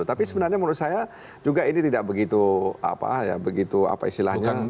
tapi sebenarnya menurut saya juga ini tidak begitu apa ya begitu apa istilahnya